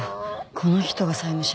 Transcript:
この人が債務者？